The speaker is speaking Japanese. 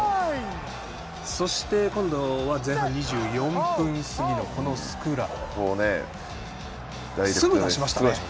今度は前半２４分過ぎのこのスクラム。